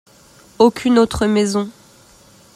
Aucune autre maison.